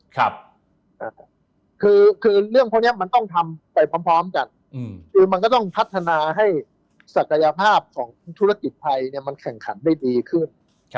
คือเรื่องพวกนี้มันต้องทำไปพร้อมกันคือมันก็ต้องพัฒนาให้ศักยภาพของธุรกิจไทยมันแข่งขันได้ดีขึ้น